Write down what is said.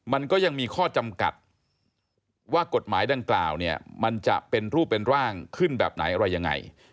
มันก็ยังมีข้อจำกัดว่ากฎหมายดังกล่าวเนี่ยมันจะเป็นรูปเป็นร่างขึ้นแบบไหนอะไรยังไง